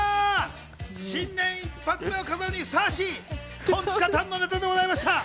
新年一発目を飾るにふさわしいトンツカタンのネタでございました。